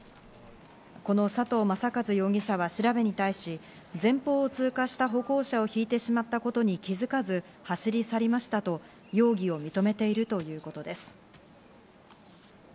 この佐藤正和容疑者は調べに対し、前方を通過した歩行者をひいてしまったことに気づかず走り去りましたと容疑を認めているということです。